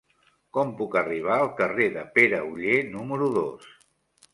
Com puc arribar al carrer de Pere Oller número dos?